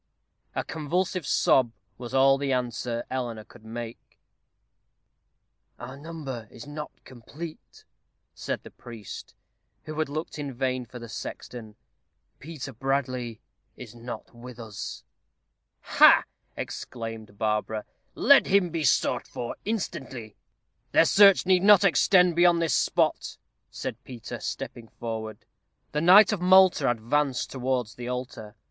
A convulsive sob was all the answer Eleanor could make. "Our number is not complete," said the priest, who had looked in vain for the sexton. "Peter Bradley is not with us." "Ha!" exclaimed Barbara. "Let him be sought for instantly." "Their search need not extend beyond this spot," said Peter, stepping forward. The knight of Malta advanced towards the altar.